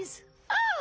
ああ。